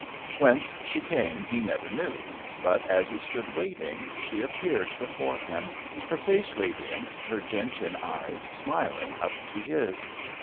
Whence she came, he never knew, but as he stood waiting, she appeared before him, her face radiant, her gentian eyes smiling up to his.